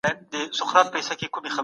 پنځه لسیان پنځوس کېږي.